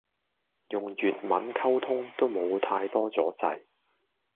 用粵文溝通都冇太多阻滯